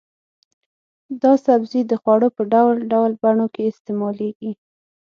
دا سبزی د خوړو په ډول ډول بڼو کې استعمالېږي.